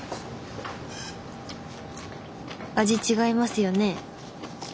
味違いますよね？